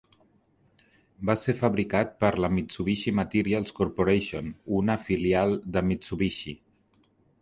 Va ser fabricat per la Mitsubishi Materials Corporation, una filial de Mitsubishi.